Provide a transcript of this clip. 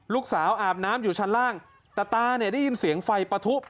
อาบน้ำอยู่ชั้นล่างแต่ตาเนี่ยได้ยินเสียงไฟปะทุ